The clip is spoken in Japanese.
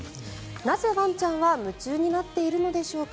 なぜワンちゃんは夢中になっているのでしょうか。